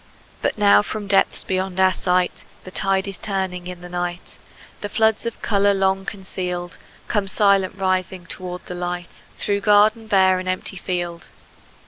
But now from depths beyond our sight, The tide is turning in the night, And floods of color long concealed Come silent rising toward the light, Through garden bare and empty field.